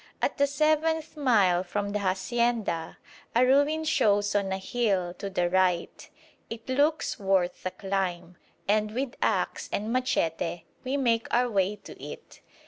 At the seventh mile from the hacienda a ruin shows on a hill to the right. It looks worth a climb, and with axe and machete we make our way to it.